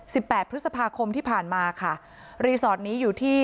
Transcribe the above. แปดพฤษภาคมที่ผ่านมาค่ะรีสอร์ทนี้อยู่ที่